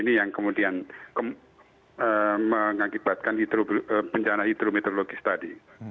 ini yang kemudian mengakibatkan bencana hidrometeorologis tadi